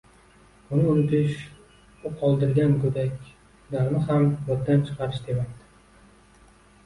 Uni unutish— u qoldirgan go'daklarni ham yoddan chiqarish demakdir.